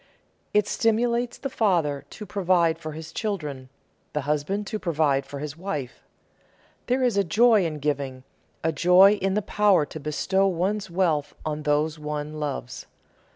It stimulates the father to provide for his children, the husband to provide for his wife. There is a joy in giving, a joy in the power to bestow one's wealth on those one loves.